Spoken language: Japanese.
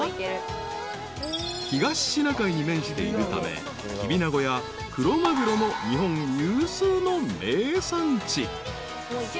［東シナ海に面しているためキビナゴやクロマグロの日本有数の名産地］